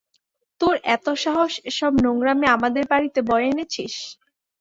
তোর এত সাহস এসব নোংরামি আমাদের বাড়িতে বয়ে এনেছিস!